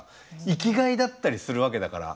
生きがいだったりするわけだから。